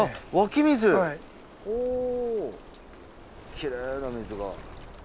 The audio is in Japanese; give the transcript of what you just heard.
きれいな水が。